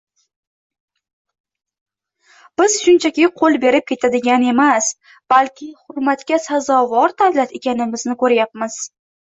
Biz shunchaki qo‘l berib ketadigan emas, balki hurmatga sazovor davlat ekanimizni ko‘ryapmiz.